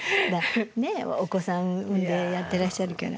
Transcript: ねえお子さん産んでやってらっしゃるから。